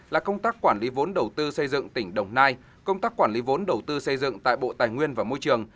là công tác quản lý vốn đầu tư xây dựng tỉnh đồng nai công tác quản lý vốn đầu tư xây dựng tại bộ tài nguyên và môi trường